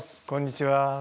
こんにちは。